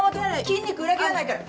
筋肉裏切らないから。